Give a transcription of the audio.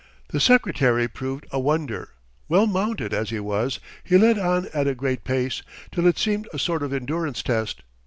The Secretary proved a wonder; well mounted, as he was, he led on at a great pace, till it seemed a sort of endurance test.